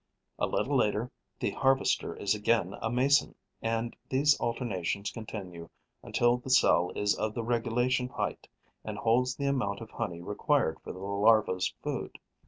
A little later, the harvester is again a mason; and these alternations continue until the cell is of the regulation height and holds the amount of honey required for the larva's food.